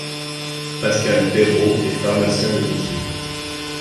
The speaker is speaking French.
Pascal Perrault est pharmacien de métier.